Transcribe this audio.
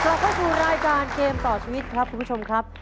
กลับเข้าสู่รายการเกมต่อชีวิตครับคุณผู้ชมครับ